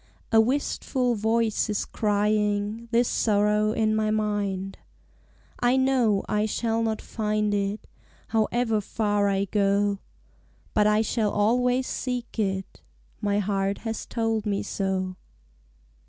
A wistful voice is crying This sorrow in my mind. I know I shall not find it However far I go, But I shall always seek it; My heart has told me so.